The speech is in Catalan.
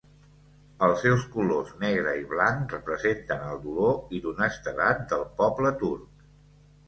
Els seus colors negre i blanc representen el dolor i l'honestedat del poble turc.